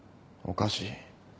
おかしい。